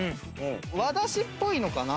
和ダシっぽいのかな？